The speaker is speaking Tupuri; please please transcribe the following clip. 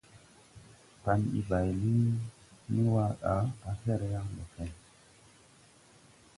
Pan bi bay lin ni wa da, à fer yan le kway.